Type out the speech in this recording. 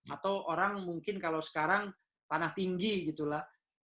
atau orang mungkin kalau sekarang tanah tinggi gitu lah